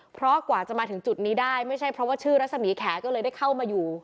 เพราะกว่าจะมาถึงจุดนี้ได้ไม่ใช่เพราะว่าชื่อรัศมีแขก็เลยได้เข้ามาอยู่